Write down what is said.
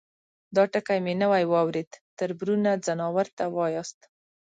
_دا ټکی مې نوی واورېد، تربرونه ، ځناورو ته واياست؟